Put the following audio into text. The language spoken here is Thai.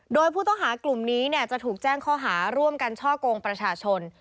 โดยผู้ต้องหากลุ่มนี้จะถูกแจ้งข้อหาร่วมกันช่อกงประชาชน